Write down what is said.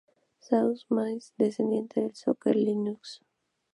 Source Mage desciende de Sorcerer Linux.